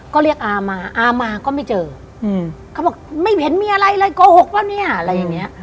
ก็เรียกอามาอามาก็ไม่เจออืมเขาบอกไม่เห็นมีอะไรเลยโกหกว่าเนี่ยอะไรอย่างเงี้ย